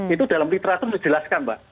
itu dalam literatur dijelaskan mbak